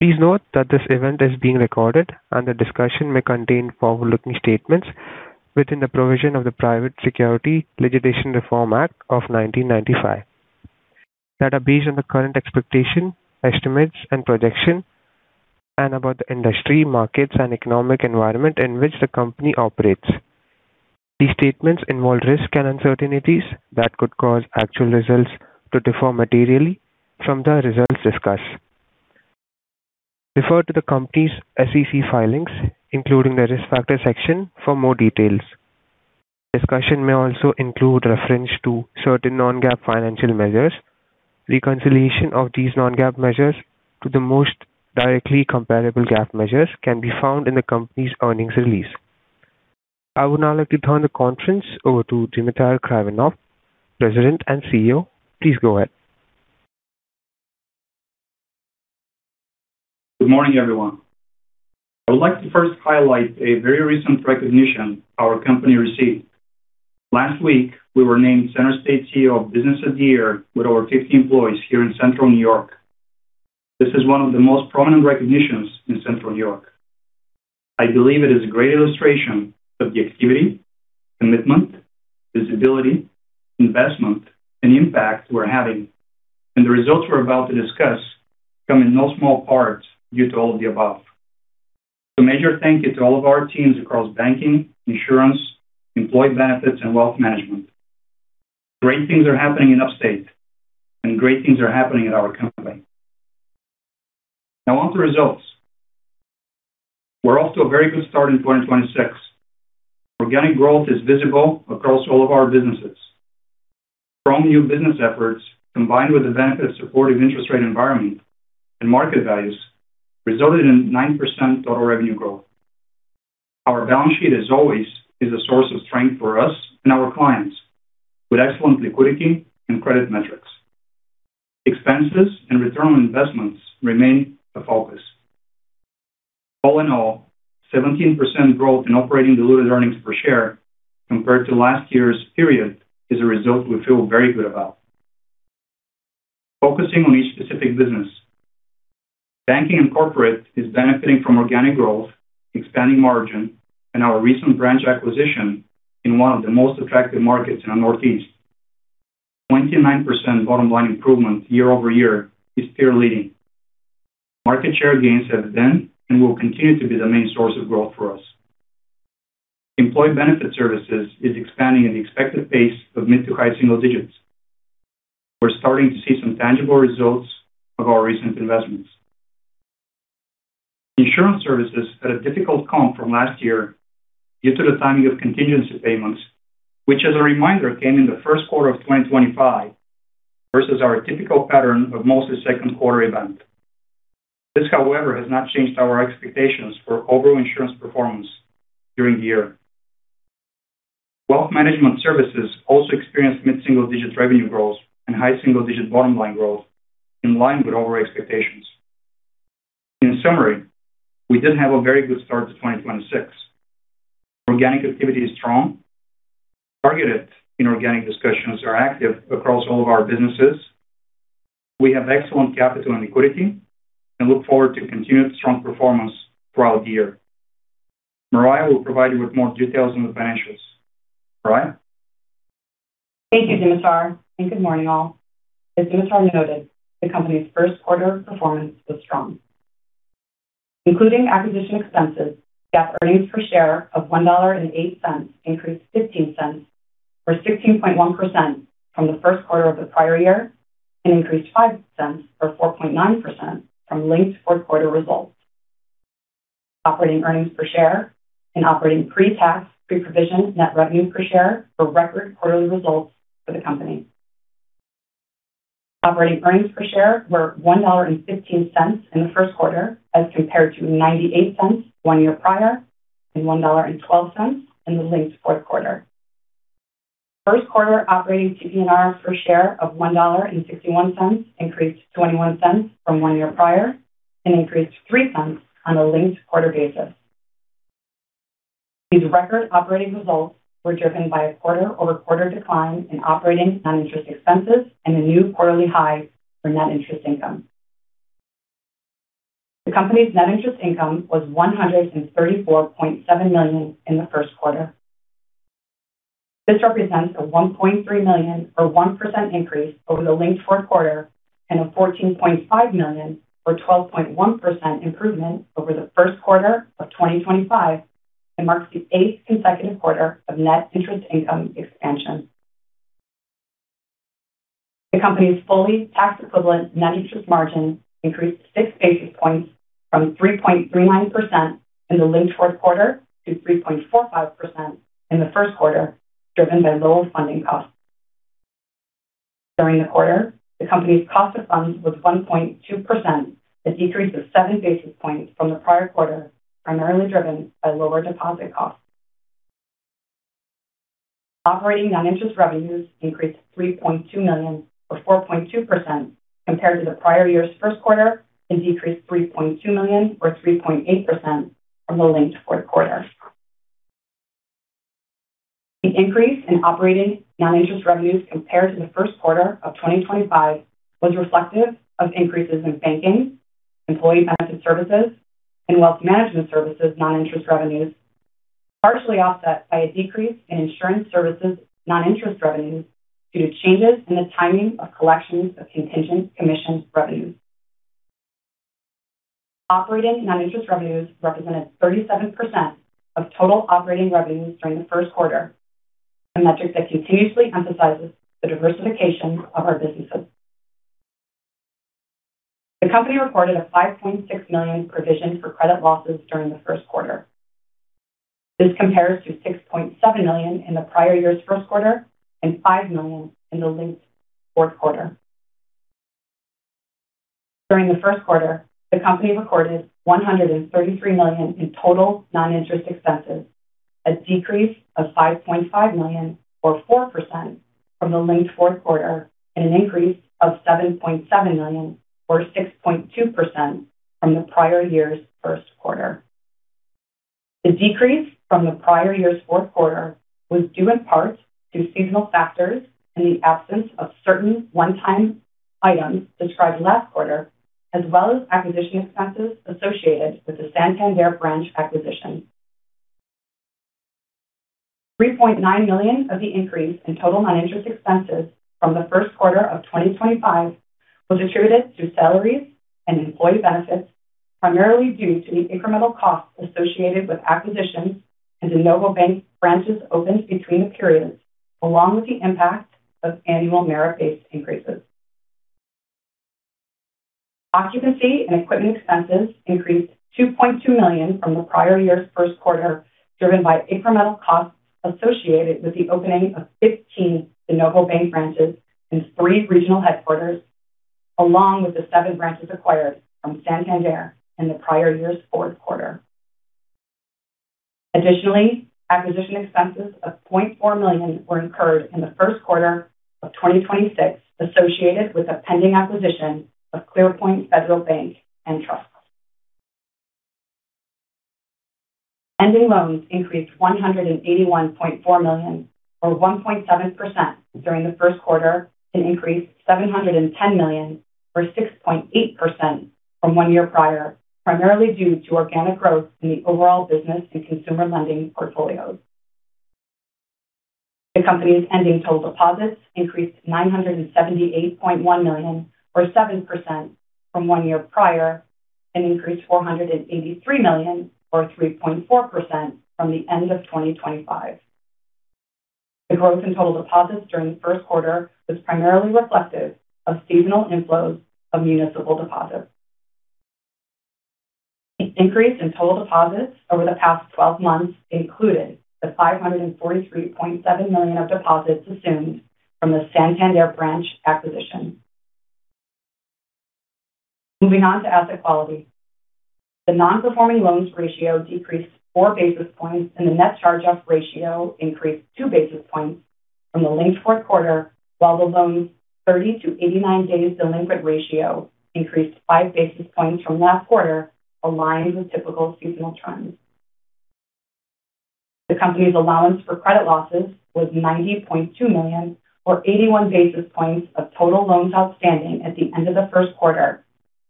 Please note that this event is being recorded and the discussion may contain forward-looking statements within the provision of the Private Securities Litigation Reform Act of 1995 that are based on the current expectation, estimates, and projection and about the industry, markets, and economic environment in which the company operates. These statements involve risks and uncertainties that could cause actual results to differ materially from the results discussed. Refer to the company's SEC filings, including the Risk Factor section for more details. Discussion may also include reference to certain non-GAAP financial measures. Reconciliation of these non-GAAP measures to the most directly comparable GAAP measures can be found in the company's earnings release. I would now like to turn the conference over to Dimitar Karaivanov, President and CEO. Please go ahead. Good morning, everyone. I would like to first highlight a very recent recognition our company received. Last week, we were named CenterState CEO Business of the Year with over 50 employees here in Central New York. This is one of the most prominent recognitions in Central New York. I believe it is a great illustration of the activity, commitment, visibility, investment, and impact we're having. The results we're about to discuss come in no small part due to all of the above. Major thank you to all of our teams across banking, insurance, employee benefits, and wealth management. Great things are happening in Upstate and great things are happening at our company. Now on to results. We're off to a very good start in 2026. Organic growth is visible across all of our businesses. Strong new business efforts combined with the benefit of supportive interest rate environment and market values resulted in 9% total revenue growth. Our balance sheet, as always, is a source of strength for us and our clients with excellent liquidity and credit metrics. Expenses and return on investments remain a focus. All in all, 17% growth in operating diluted earnings per share compared to last year's period is a result we feel very good about. Focusing on each specific business. Banking and corporate is benefiting from organic growth, expanding margin, and our recent branch acquisition in one of the most attractive markets in the Northeast. 29% bottom line improvement year-over-year is peer-leading. Market share gains have been and will continue to be the main source of growth for us. Employee benefit services is expanding at the expected pace of mid to high single digits. We're starting to see some tangible results of our recent investments. insurance services had a difficult comp from last year due to the timing of contingency payments, which as a reminder, came in the first quarter of 2025 versus our typical pattern of mostly second quarter event. This, however, has not changed our expectations for overall insurance performance during the year. wealth management services also experienced mid-single-digit revenue growth and high single-digit bottom line growth in line with our expectations. We did have a very good start to 2026. Organic activity is strong. Targeted inorganic discussions are active across all of our businesses. We have excellent capital and liquidity and look forward to continued strong performance throughout the year. Marya will provide you with more details on the financials. Marya. Thank you, Dimitar, good morning, all. As Dimitar noted, the company's first quarter performance was strong. Including acquisition expenses, GAAP earnings per share of $1.08 increased $0.15 or 16.1% from the first quarter of the prior year and increased $0.05 or 4.9% from linked fourth quarter results. Operating earnings per share and operating Pre-Provision Net Revenue per share were record quarterly results for the company. Operating earnings per share were $1.15 in the first quarter as compared to $0.98 one year prior and $1.12 in the linked fourth quarter. First quarter operating PNR per share of $1.61 increased $0.21 from one year prior and increased $0.03 on a linked quarter basis. These record operating results were driven by a quarter-over-quarter decline in operating non-interest expenses and a new quarterly high for net interest income. The company's net interest income was $134.7 million in the first quarter. This represents a $1.3 million or 1% increase over the linked fourth quarter and a $14.5 million or 12.1% improvement over the first quarter of 2025 and marks the eighth consecutive quarter of net interest income expansion. The company's fully tax-equivalent net interest margin increased 6 basis points from 3.39% in the linked fourth quarter to 3.45% in the first quarter, driven by lower funding costs. During the quarter, the company's cost of funds was 1.2%, a decrease of 7 basis points from the prior quarter, primarily driven by lower deposit costs. Operating non-interest revenues increased $3.2 million or 4.2% compared to the prior year's first quarter and decreased $3.2 million or 3.8% from the linked fourth quarter. The increase in operating non-interest revenues compared to the first quarter of 2025 was reflective of increases in banking services, employee benefit services, and wealth management services non-interest revenues, partially offset by a decrease in insurance services non-interest revenues due to changes in the timing of collections of contingent commission revenues. Operating non-interest revenues represented 37% of total operating revenues during the first quarter, a metric that continuously emphasizes the diversification of our businesses. The company reported a $5.6 million provision for credit losses during the first quarter. This compares to $6.7 million in the prior year's first quarter and $5 million in the linked fourth quarter. During the first quarter, the company recorded $133 million in total non-interest expenses, a decrease of $5.5 million or 4% from the linked fourth quarter and an increase of $7.7 million or 6.2% from the prior year's first quarter. The decrease from the prior year's fourth quarter was due in part to seasonal factors and the absence of certain one-time items described last quarter, as well as acquisition expenses associated with the Santander branch acquisition. $3.9 million of the increase in total non-interest expenses from the first quarter of 2025 was attributed to salaries and employee benefits, primarily due to the incremental costs associated with acquisitions and de novo bank branches opened between the periods, along with the impact of annual merit-based increases. Occupancy and equipment expenses increased $2.2 million from the prior year's first quarter, driven by incremental costs associated with the opening of 15 de novo bank branches and three regional headquarters, along with the seven branches acquired from Santander in the prior year's fourth quarter. Additionally, acquisition expenses of $0.4 million were incurred in the first quarter of 2026 associated with the pending acquisition of ClearPoint Federal Bank & Trust. Ending loans increased $181.4 million or 1.7% during the first quarter, an increase $710 million or 6.8% from one year prior, primarily due to organic growth in the overall business and consumer lending portfolios. The company's ending total deposits increased $978.1 million or 7% from one year prior, an increase $483 million or 3.4% from the end of 2025. The growth in total deposits during the first quarter was primarily reflective of seasonal inflows of municipal deposits. The increase in total deposits over the past 12 months included the $543.7 million of deposits assumed from the Santander branch acquisition. Moving on to asset quality. The non-performing loans ratio decreased 4 basis points, and the net charge-off ratio increased 2 basis points from the linked fourth quarter, while the loans 30 to 89 days delinquent ratio increased 5 basis points from last quarter, aligned with typical seasonal trends. The company's allowance for credit losses was $90.2 million or 81 basis points of total loans outstanding at the end of the first quarter,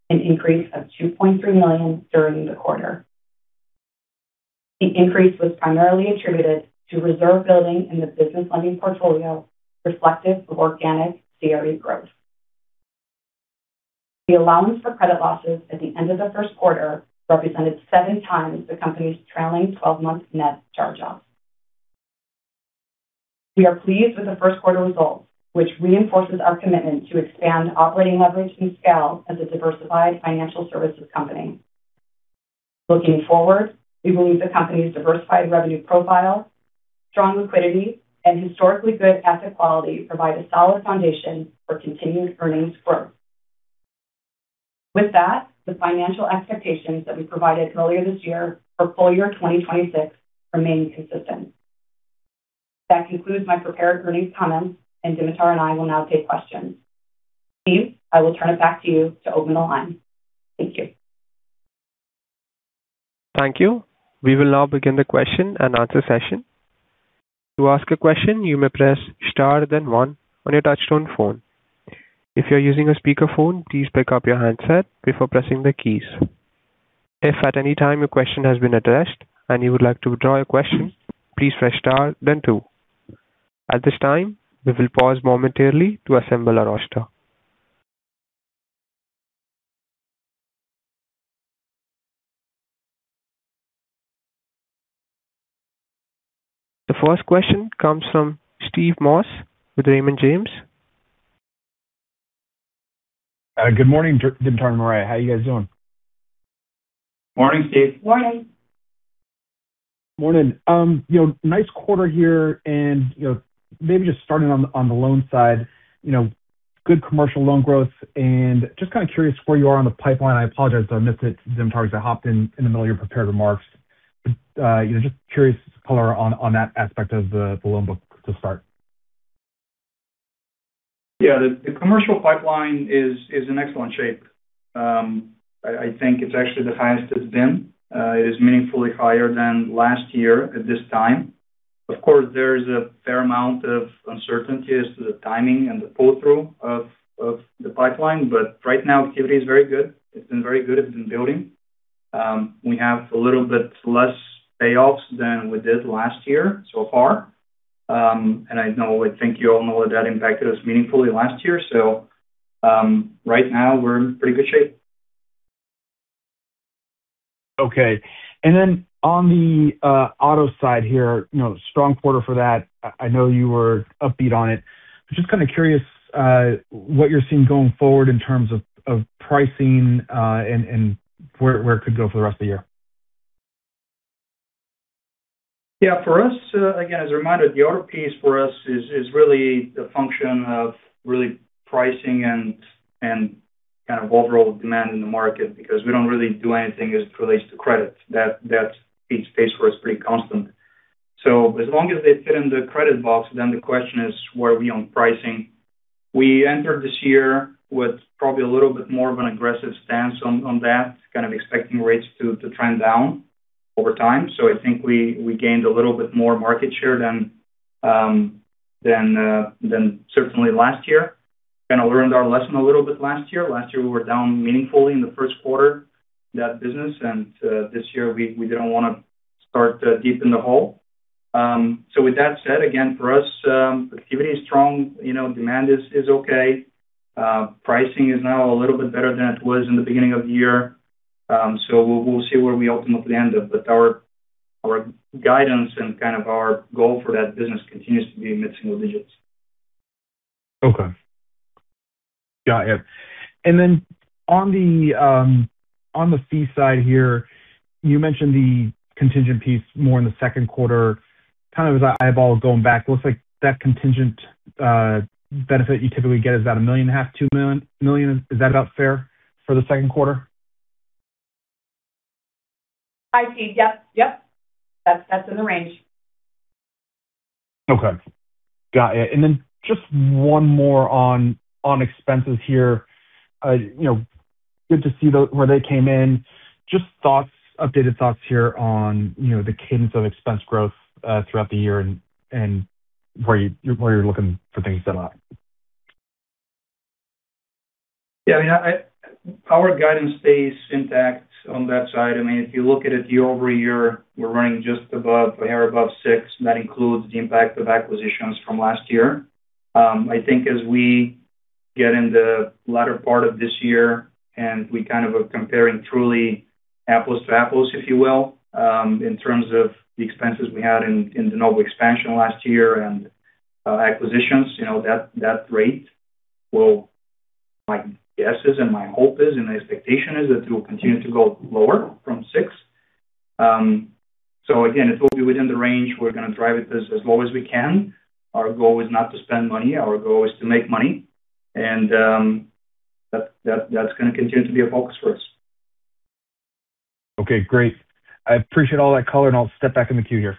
an increase of $2.3 million during the quarter. The increase was primarily attributed to reserve building in the business lending portfolio reflective of organic CRE growth. The allowance for credit losses at the end of the first quarter represented seven times the company's trailing 12-month net charge-off. We are pleased with the first quarter results, which reinforces our commitment to expand operating leverage and scale as a diversified financial services company. Looking forward, we believe the company's diversified revenue profile, strong liquidity, and historically good asset quality provide a solid foundation for continued earnings growth. With that, the financial expectations that we provided earlier this year for full year 2026 remain consistent. That concludes my prepared earnings comments, and Dimitar and I will now take questions. Steve, I will turn it back to you to open the line. Thank you. Thank you. We will now begin the question and answer session. To ask a question, you may press star then one on your touchtone phone. If you're using a speakerphone, please pick up your handset before pressing the keys. If at any time your question has been addressed and you would like to withdraw your question, please press star then two. At this time, we will pause momentarily to assemble our roster. The first question comes from Steve Moss with Raymond James. Good morning, Dimitar and Marya. How you guys doing? Morning, Steve. Morning. Morning. You know, nice quarter here and, you know, maybe just starting on the loan side. You know, good commercial loan growth and just kind of curious where you are on the pipeline. I apologize if I missed it, Dimitar, because I hopped in the middle of your prepared remarks. You know, just curious color on that aspect of the loan book to start. Yeah, the commercial pipeline is in excellent shape. I think it's actually the highest it's been. It is meaningfully higher than last year at this time. Of course, there's a fair amount of uncertainty as to the timing and the pull-through of the pipeline. Right now, activity is very good. It's been very good. It's been building. We have a little bit less payoffs than we did last year so far. I know I think you all know that that impacted us meaningfully last year. Right now we're in pretty good shape. Okay. On the auto side here, you know, strong quarter for that. I know you were upbeat on it. Just kind of curious what you're seeing going forward in terms of pricing and where it could go for the rest of the year? Yeah. For us, again, as a reminder, the auto piece for us is really a function of really pricing and kind of overall demand in the market because we don't really do anything as it relates to credit. That piece stays for us pretty constant. As long as they fit in the credit box, then the question is, where are we on pricing? We entered this year with probably a little bit more of an aggressive stance on that, kind of expecting rates to trend down over time. I think we gained a little bit more market share than certainly last year. Kinda learned our lesson a little bit last year. Last year, we were down meaningfully in the first quarter in that business, and this year we didn't wanna start deep in the hole. With that said, again, for us, activity is strong, you know, demand is okay. Pricing is now a little bit better than it was in the beginning of the year. We'll, we'll see where we ultimately end up. Our, our guidance and kind of our goal for that business continues to be mid-single digits. Okay. Got it. On the fee side here, you mentioned the contingent piece more in the second quarter. Kind of as I eyeball going back, looks like that contingent benefit you typically get is about a million and a half, $2 million. Is that about fair for the second quarter? I see. Yep. That's in the range. Okay. Got it. Just one more on expenses here. You know, good to see where they came in. Just thoughts, updated thoughts here on, you know, the cadence of expense growth throughout the year and where you're looking for things to lie. I mean, our guidance stays intact on that side. I mean, if you look at it year-over-year, we're running just above, a hair above six, and that includes the impact of acquisitions from last year. I think as we get in the latter part of this year and we kind of are comparing truly apples to apples, if you will, in terms of the expenses we had in de novo expansion last year and acquisitions, you know, that rate will, my guess is and my hope is and the expectation is that it will continue to go lower from six. Again, it will be within the range. We're gonna drive it as low as we can. Our goal is not to spend money. Our goal is to make money. That's gonna continue to be a focus for us. Okay, great. I appreciate all that color, and I'll step back in the queue here.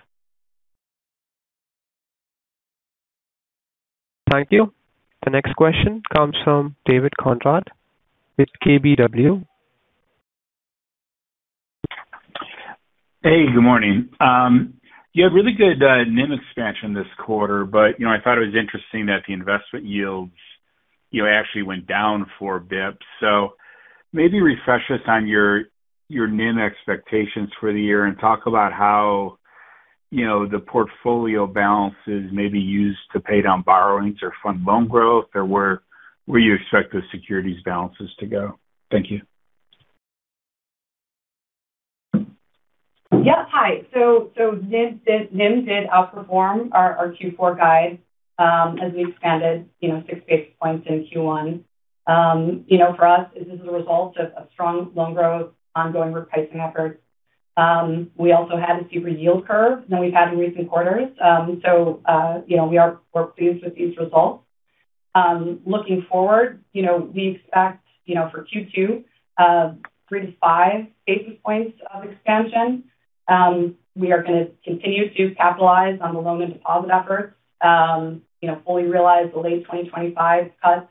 Thank you. The next question comes from David Konrad with KBW. Hey, good morning. You had really good NIM expansion this quarter. I thought it was interesting that the investment yields actually went down 4 basis points. Maybe refresh us on your NIM expectations for the year and talk about how the portfolio balances may be used to pay down borrowings or fund loan growth, or where you expect those securities balances to go. Thank you. Yeah. Hi. NIM did outperform our Q4 guide, as we expanded, you know, 6 basis points in Q1. You know, for us, this is a result of a strong loan growth, ongoing repricing efforts. We also had a steeper yield curve than we've had in recent quarters. You know, we're pleased with these results. Looking forward, you know, we expect, you know, for Q2, 3 basis points-5 basis points of expansion. We are gonna continue to capitalize on the loan and deposit efforts, you know, fully realize the late 2025 cuts.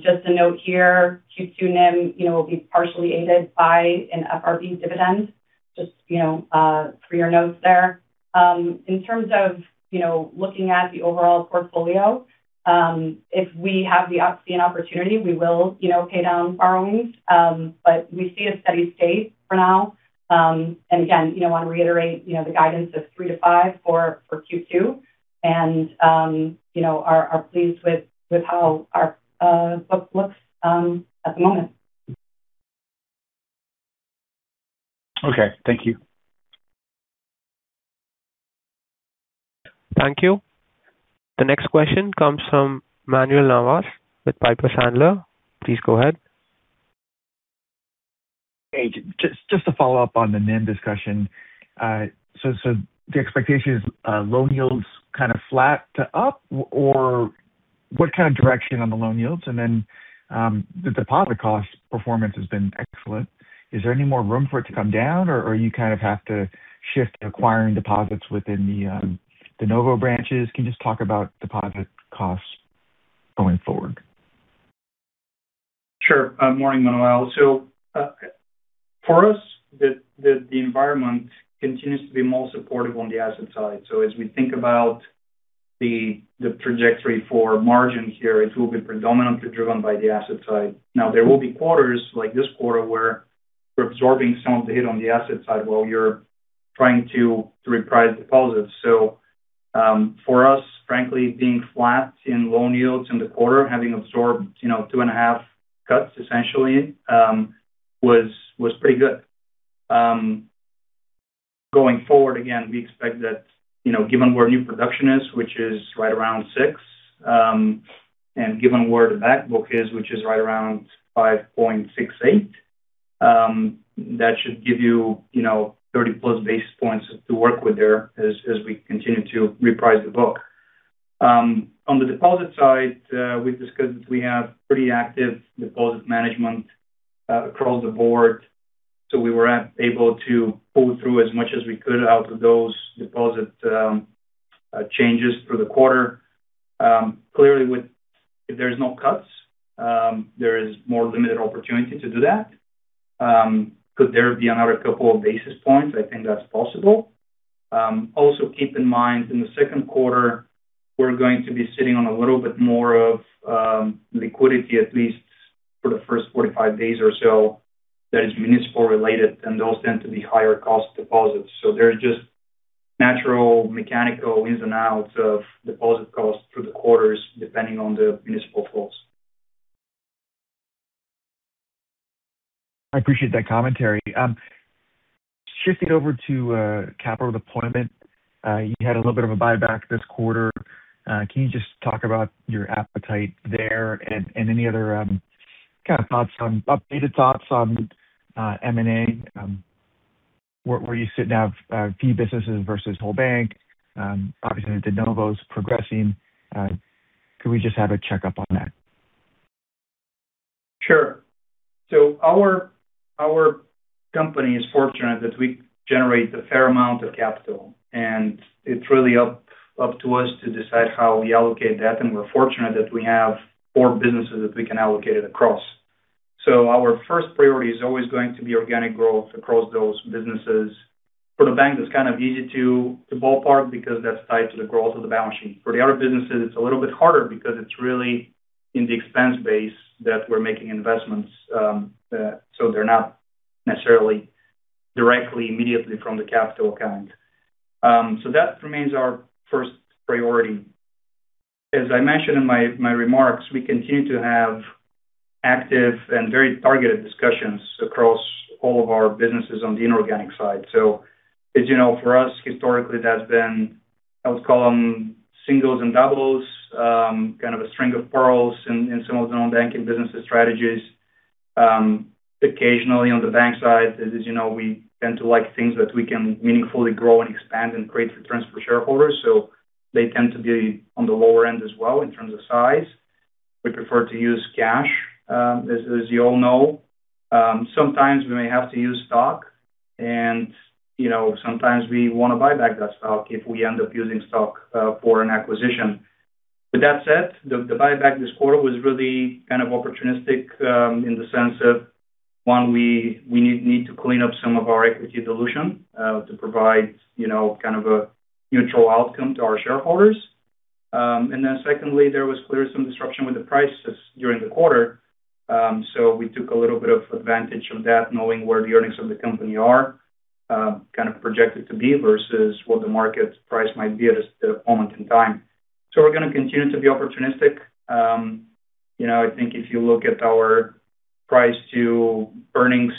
Just a note here, Q2 NIM, you know, will be partially aided by an FRB dividend, just, you know, for your notes there. In terms of, you know, looking at the overall portfolio, if we see an opportunity, we will, you know, pay down borrowings. We see a steady state for now. Again, you know, want to reiterate, you know, the guidance of three to five for Q2 and, you know, are pleased with how our book looks at the moment. Okay. Thank you. Thank you. The next question comes from Manuel Navas with Piper Sandler. Please go ahead. Just to follow up on the NIM discussion. The expectation is, loan yields kind of flat to up, or what kind of direction on the loan yields? The deposit cost performance has been excellent. Is there any more room for it to come down or you kind of have to shift acquiring deposits within the de novo branches? Can you just talk about deposit costs going forward? Sure. Morning, Manuel. For us, the environment continues to be more supportive on the asset side. As we think about the trajectory for margin here, it will be predominantly driven by the asset side. Now, there will be quarters like this quarter where we're absorbing some of the hit on the asset side while you're trying to reprice the deposits. For us, frankly, being flat in loan yields in the quarter, having absorbed, you know, two and a half cuts essentially, was pretty good. Going forward, again, we expect that, you know, given where new production is, which is right around 6%, and given where the back book is, which is right around 5.68%, that should give you know, 30+ basis points to work with there as we continue to reprice the book. On the deposit side, we discussed we have pretty active deposit management across the board, so we were able to pull through as much as we could out of those deposit changes for the quarter. Clearly if there's no cuts, there is more limited opportunity to do that. Could there be another couple of basis points? I think that's possible. Also keep in mind, in the second quarter, we're going to be sitting on a little bit more of liquidity, at least for the first 45 days or so, that is municipal related, and those tend to be higher cost deposits. There's just natural mechanical ins and outs of deposit costs through the quarters, depending on the municipal flows. I appreciate that commentary. Shifting over to capital deployment. You had a little bit of a buyback this quarter. Can you just talk about your appetite there and any other updated thoughts on M&A? Where you sit now, fee businesses versus whole bank. Obviously the de novo's progressing. Could we just have a checkup on that? Sure. Our company is fortunate that we generate a fair amount of capital, and it's really up to us to decide how we allocate that. We're fortunate that we have four businesses that we can allocate it across. Our first priority is always going to be organic growth across those businesses. For the bank, that's kind of easy to ballpark because that's tied to the growth of the balance sheet. For the other businesses, it's a little bit harder because it's really in the expense base that we're making investments, they're not necessarily directly immediately from the capital account. That remains our first priority. As I mentioned in my remarks, we continue to have active and very targeted discussions across all of our businesses on the inorganic side. As you know, for us, historically, that's been, I would call them singles and doubles, kind of a string of pearls in some of the non-banking businesses strategies. Occasionally on the bank side, as you know, we tend to like things that we can meaningfully grow and expand and create returns for shareholders, so they tend to be on the lower end as well in terms of size. We prefer to use cash, as you all know. Sometimes we may have to use stock and, you know, sometimes we wanna buy back that stock if we end up using stock for an acquisition. With that said, the buyback this quarter was really kind of opportunistic, in the sense of, one, we need to clean up some of our equity dilution, to provide, you know, kind of a neutral outcome to our shareholders. Secondly, there was clearly some disruption with the prices during the quarter. We took a little bit of advantage of that, knowing where the earnings of the company are, kind of projected to be versus what the market price might be at a moment in time. We're gonna continue to be opportunistic. You know, I think if you look at our price to earnings,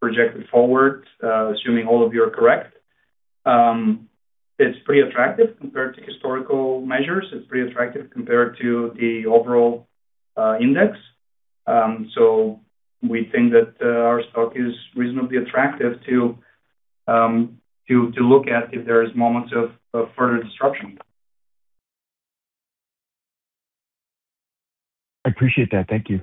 projected forward, assuming all of you are correct, it's pretty attractive compared to historical measures. It's pretty attractive compared to the overall index. We think that our stock is reasonably attractive to look at if there's moments of further disruption. I appreciate that. Thank you.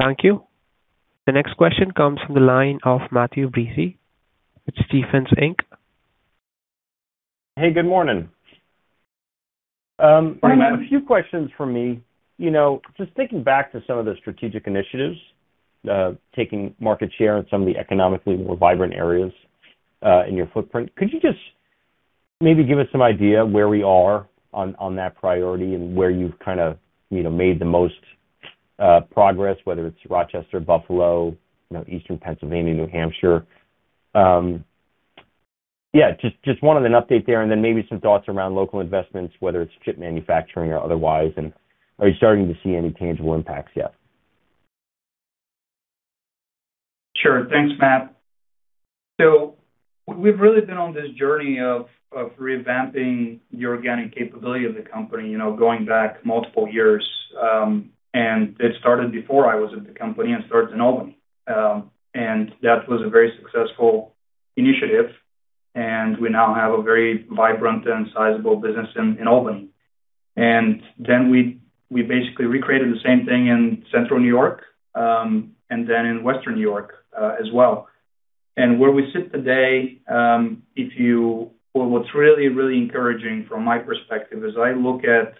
Thank you. The next question comes from the line of Matthew Breese with Stephens Inc. Hey, good morning. Good morning. I have a few questions for me. You know, just thinking back to some of the strategic initiatives, taking market share in some of the economically more vibrant areas in your footprint. Could you just maybe give us some idea where we are on that priority and where you've kind of, you know, made the most progress, whether it's Rochester, Buffalo, you know, Eastern Pennsylvania, New Hampshire? Yeah, just wanted an update there and then maybe some thoughts around local investments, whether it's chip manufacturing or otherwise. Are you starting to see any tangible impacts yet? Sure. Thanks, Matt. We've really been on this journey of revamping the organic capability of the company, you know, going back multiple years. It started before I was at the company and started in Albany. That was a very successful initiative, and we now have a very vibrant and sizable business in Albany. We basically recreated the same thing in Central New York, and then in Western New York as well. Where we sit today, what's really encouraging from my perspective is I look at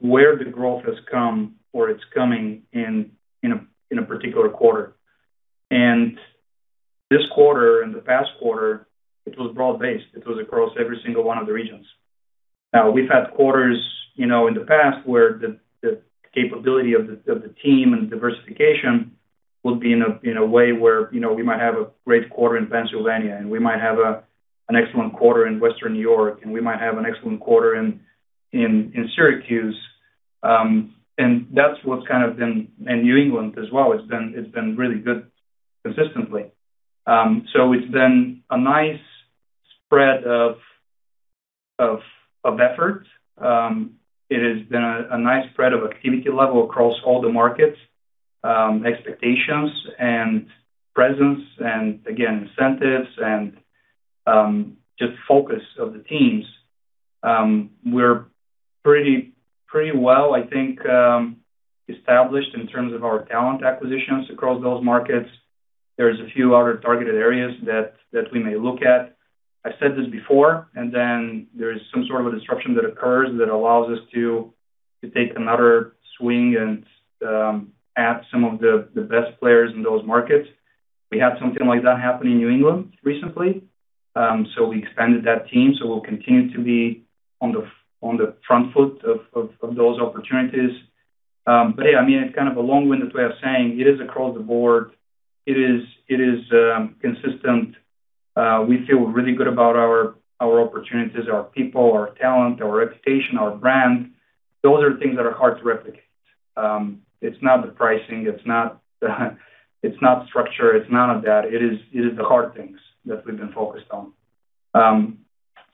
where the growth has come or it's coming in a particular quarter. This quarter and the past quarter, it was broad-based. It was across every single one of the regions. We've had quarters, you know, in the past where the capability of the team and diversification would be in a way where, you know, we might have a great quarter in Pennsylvania, and we might have an excellent quarter in Western New York, and we might have an excellent quarter in Syracuse. That's what's kind of been in New England as well. It's been really good consistently. It's been a nice spread of effort. It has been a nice spread of activity level across all the markets, expectations and presence and again, incentives and just focus of the teams. We're pretty well, I think, established in terms of our talent acquisitions across those markets. There's a few other targeted areas that we may look at. I've said this before, there's some sort of a disruption that occurs that allows us to take another swing at some of the best players in those markets. We had something like that happen in New England recently. We expanded that team, we'll continue to be on the front foot of those opportunities. Yeah, I mean, it's kind of a long-winded way of saying it is across the board. It is consistent. We feel really good about our opportunities, our people, our talent, our reputation, our brand. Those are things that are hard to replicate. It's not the pricing, it's not structure, it's none of that. It is the hard things that we've been focused on.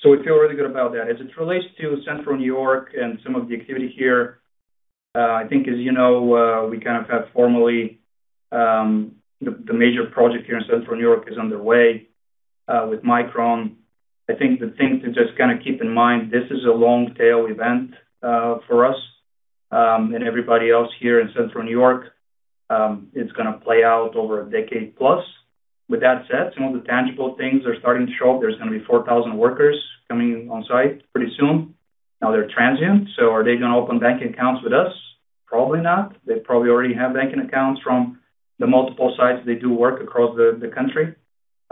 We feel really good about that. As it relates to Central New York and some of the activity here, I think as you know, we kind of have formally, the major project here in Central New York is underway with Micron. I think the thing to just kinda keep in mind, this is a long tail event for us and everybody else here in Central New York. It's gonna play out over a decade plus. With that said, some of the tangible things are starting to show up. There's gonna be 4,000 workers coming on site pretty soon. Now they're transient, so are they gonna open bank accounts with us? Probably not. They probably already have banking accounts from the multiple sites they do work across the country.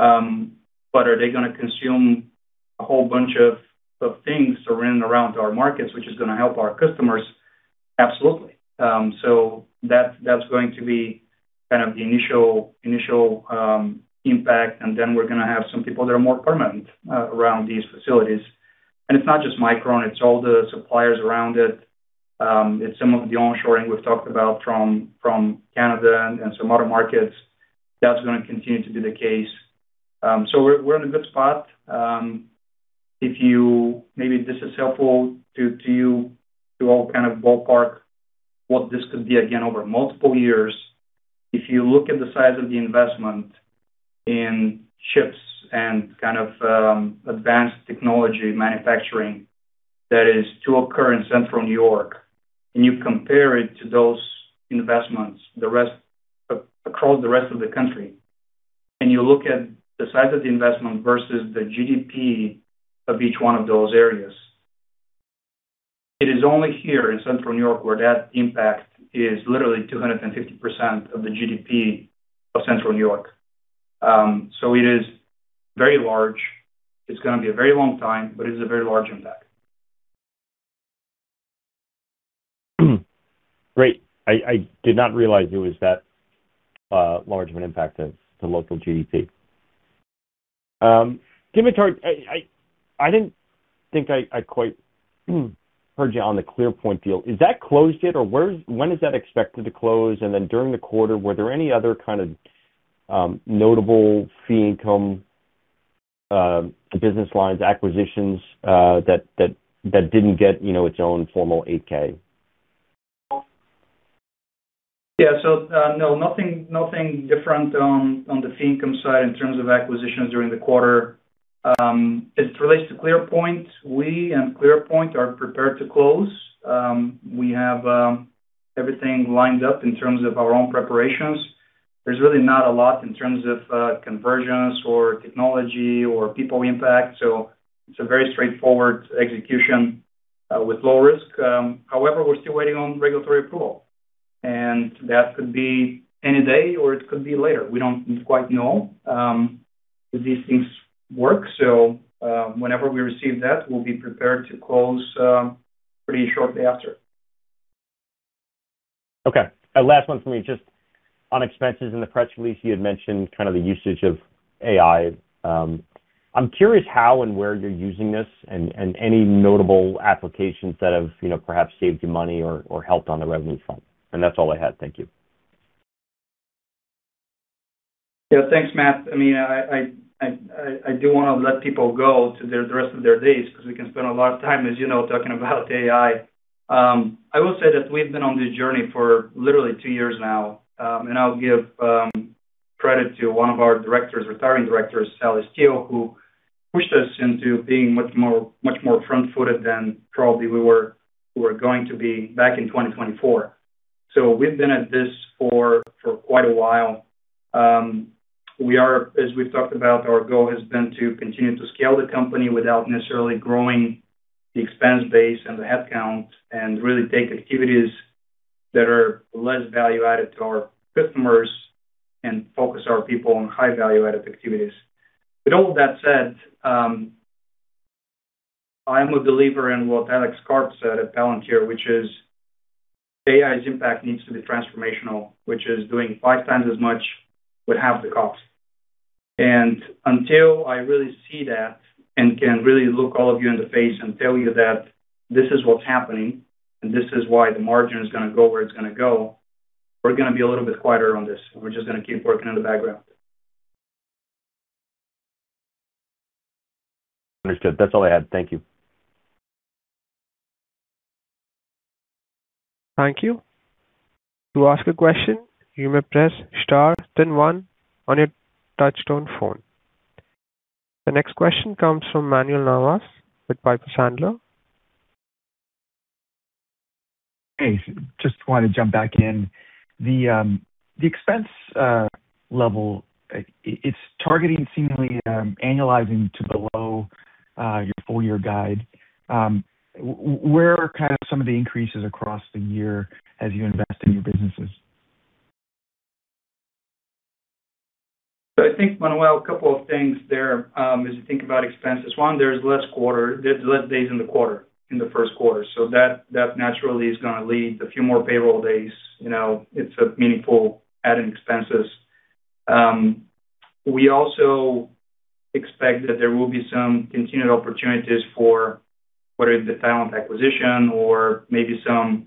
Are they gonna consume a whole bunch of things surrounding around our markets, which is gonna help our customers? Absolutely. That's going to be kind of the initial impact. We're gonna have some people that are more permanent around these facilities. It's not just Micron, it's all the suppliers around it. It's some of the onshoring we've talked about from Canada and some other markets. That's gonna continue to be the case. We're in a good spot. If you maybe this is helpful to you to all kind of ballpark what this could be again over multiple years. If you look at the size of the investment in chips and kind of advanced technology manufacturing that is to occur in Central New York, you compare it to those investments across the rest of the country, you look at the size of the investment versus the GDP of each one of those areas. It is only here in Central New York where that impact is literally 250% of the GDP of Central New York. It is very large. It's gonna be a very long time, it is a very large impact. Great. I did not realize it was that large of an impact to local GDP. I didn't think I quite heard you on the ClearPoint deal. Is that closed yet? Or when is that expected to close? Then during the quarter, were there any other kind of notable fee income, business lines, acquisitions, that didn't get, you know, its own formal 8-K? Yeah. No, nothing different on the fee income side in terms of acquisitions during the quarter. As it relates to ClearPoint, we and ClearPoint are prepared to close. We have everything lined up in terms of our own preparations. There's really not a lot in terms of conversions or technology or people impact, so it's a very straightforward execution with low risk. However, we're still waiting on regulatory approval, and that could be any day or it could be later. We don't quite know how these things work. Whenever we receive that, we'll be prepared to close pretty shortly after. Last one from me. Just on expenses. In the press release, you had mentioned kind of the usage of AI. I'm curious how and where you're using this and any notable applications that have, you know, perhaps saved you money or helped on the revenue front. That's all I had. Thank you. Thanks, Matt. I mean, I do want to let people go to the rest of their days because we can spend a lot of time, as you know, talking about AI. I will say that we've been on this journey for literally two years now. I'll give credit to one of our directors, retiring directors, Sally Steele, who pushed us into being much more front-footed than probably we were going to be back in 2024. We've been at this for quite a while. We are, as we've talked about, our goal has been to continue to scale the company without necessarily growing the expense base and the headcount and really take activities that are less value-added to our customers and focus our people on high value-added activities. With all of that said, I am a believer in what Alex Karp said at Palantir, which is AI's impact needs to be transformational, which is doing five times as much with half the cost. Until I really see that and can really look all of you in the face and tell you that this is what's happening and this is why the margin is gonna go where it's gonna go, we're gonna be a little bit quieter on this, and we're just gonna keep working in the background. Understood. That's all I had. Thank you. Thank you. To ask a question you may press star then one on your touch-tone phone. The next question comes from Manuel Navas with Piper Sandler. Hey, just wanted to jump back in. The expense level, it's targeting seemingly annualizing to below your full year guide. Where are kind of some of the increases across the year as you invest in your businesses? I think, Manuel, a couple of things there, as you think about expenses. One, there's less quarter, there's less days in the quarter, in the first quarter, so that naturally is gonna lead to few more payroll days. You know, it's a meaningful adding expenses. We also expect that there will be some continued opportunities for whether it's the talent acquisition or maybe some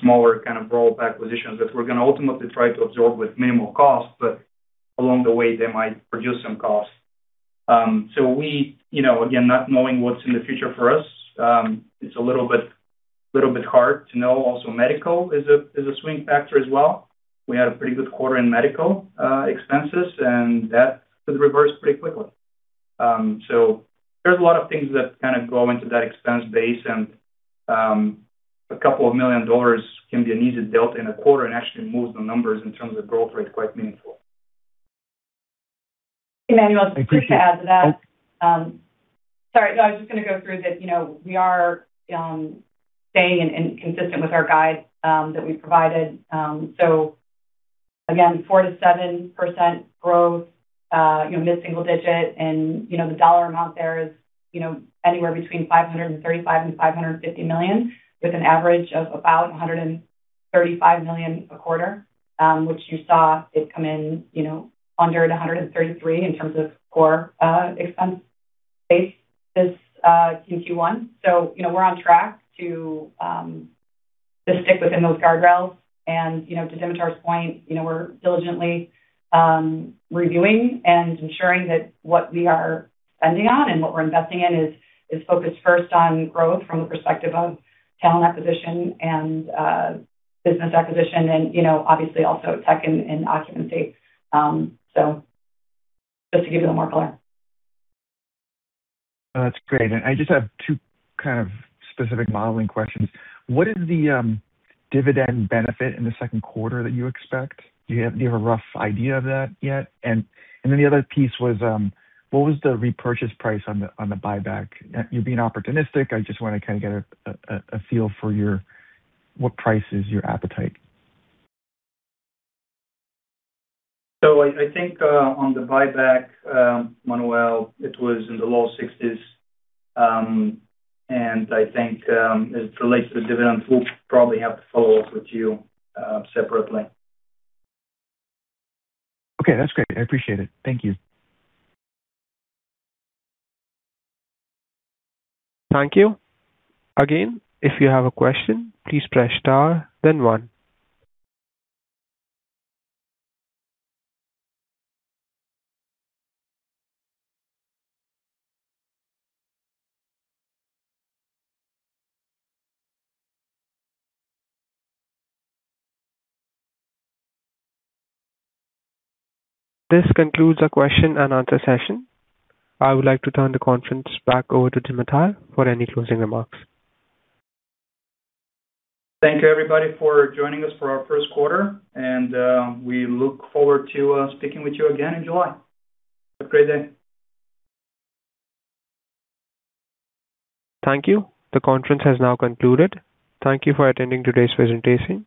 smaller kind of roll-up acquisitions that we're gonna ultimately try to absorb with minimal cost, but along the way they might produce some costs. We, you know, again, not knowing what's in the future for us, it's a little bit hard to know. Also medical is a swing factor as well. We had a pretty good quarter in medical expenses, and that could reverse pretty quickly. There's a lot of things that kind of go into that expense base and a couple of million dollars can be an easy delta in a quarter and actually move the numbers in terms of growth rate quite meaningful. Hey, Manuel, just quick to add to that. Sorry. I was just going to go through that, you know, we are staying and consistent with our guide that we provided. Again, 4%-7% growth, you know, mid-single digit, you know, the dollar amount there is, you know, anywhere between $535 million-$550 million with an average of about $135 million a quarter. Which you saw it come in, you know, under $133 in terms of core expense base this in Q1. You know, we're on track to just stick within those guardrails and, you know, to Dimitar's point, you know, we're diligently reviewing and ensuring that what we are spending on and what we're investing in is focused first on growth from the perspective of talent acquisition and business acquisition and, you know, obviously also tech and occupancy. Just to give you a little more color. No, that's great. I just have two kind of specific modeling questions. What is the dividend benefit in the second quarter that you expect? Do you have a rough idea of that yet? Then the other piece was, what was the repurchase price on the buyback? You're being opportunistic. I just wanna kinda get a feel for your what price is your appetite. I think, on the buyback, Manuel, it was in the low $60s. I think, as it relates to dividends, we'll probably have to follow up with you separately. Okay, that's great. I appreciate it. Thank you. Thank you. Again, if you have a question, please press star then one. This concludes the question and answer session. I would like to turn the conference back over to Dimitar for any closing remarks. Thank you, everybody, for joining us for our first quarter, and we look forward to speaking with you again in July. Have a great day. Thank you. The conference has now concluded. Thank you for attending today's presentation.